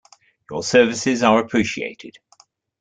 Your services are appreciated.